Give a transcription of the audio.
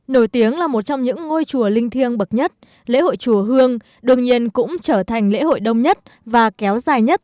nổi tiếng là một trong những ngôi chùa linh thiêng bậc nhất lễ hội chùa hương đường nhiên cũng trở thành lễ hội đông nhất và kéo dài nhất